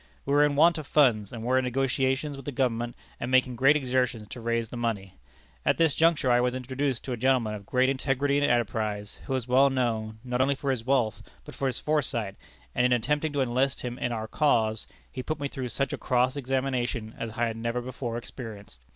We were in want of funds, and were in negotiations with the government, and making great exertions to raise the money. At this juncture I was introduced to a gentleman of great integrity and enterprise, who is well known, not only for his wealth, but for his foresight, and in attempting to enlist him in our cause he put me through such a cross examination as I had never before experienced.